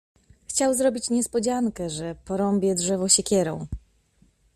Chciał zrobić niespodziankę: że porąbie drzewo siekierą.